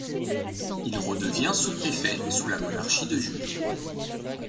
Il redevient sous-préfet sous la monarchie de Juillet.